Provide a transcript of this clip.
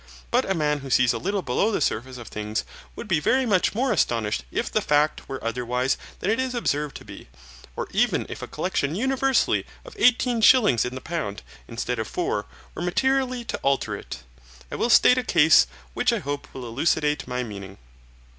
But a man who sees a little below the surface of things would be very much more astonished if the fact were otherwise than it is observed to be, or even if a collection universally of eighteen shillings in the pound, instead of four, were materially to alter it. I will state a case which I hope will elucidate my meaning.